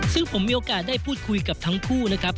ซึ่งผมมีโอกาสได้พูดคุยกับทั้งคู่นะครับ